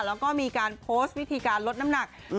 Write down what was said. แล้วก็มีการโพสต์วิธีการลดน้ำหนัก